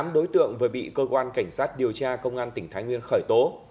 động vừa bị cơ quan cảnh sát điều tra công an tỉnh thái nguyên khởi tố